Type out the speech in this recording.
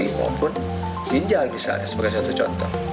maka bisa dihidupkan sebagai contoh